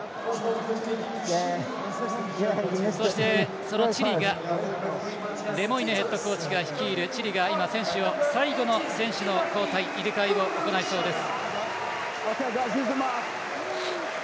そしてそのレモイネヘッドコーチが率いるチリが今、選手をサイドの選手の交代入れ替えを行いそうです。